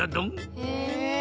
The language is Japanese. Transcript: へえ。